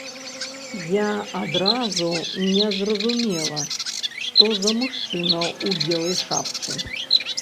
Я адразу не зразумела, што за мужчына ў белай шапцы.